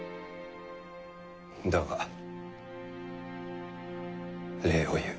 だが礼を言う。